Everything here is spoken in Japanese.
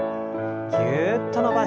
ぎゅっと伸ばして。